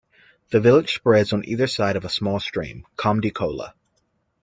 The village spreads on either side of a small stream "kamdi khola".